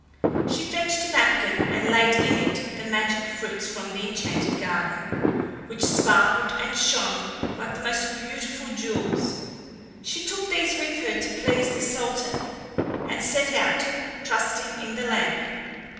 She fetched a napkin and laid in it the magic fruits from the enchanted garden, which sparkled and shone like the most beautiful jewels. She took these with her to please the Sultan, and set out, trusting in the lamp.